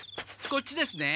こっちですね？